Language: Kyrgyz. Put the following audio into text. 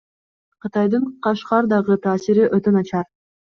Кытайдын Кашкардагы таасири өтө начар.